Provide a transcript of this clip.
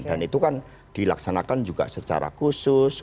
dan itu kan dilaksanakan juga secara khusus